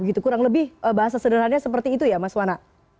kurang lebih bahasa sederhana seperti itu ya mas wana